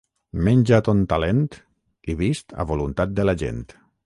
Menja a ton talent i vist a voluntat de la gent.